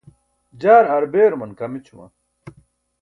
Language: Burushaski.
jaar aar beeruman kaam ećuma?